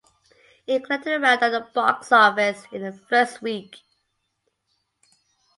It collected around at the Box office in the first week.